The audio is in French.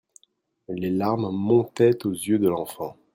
Les larmes montaient aux yeux de l'enfant.